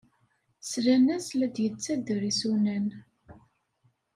Slan-as la d-yettader isunan.